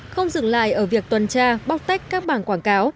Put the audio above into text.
không dừng lại ở việc tuần tra bóc tách các bảng quảng cáo